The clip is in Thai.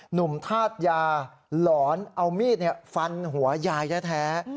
หนุ่มธาตุยาหลอนเอามีดฟันหัวยายแท้